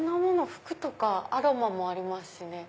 服とかアロマもありますしね。